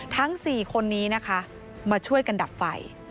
ทั้งสี่คนนี้มาช่วยกันดับไฟ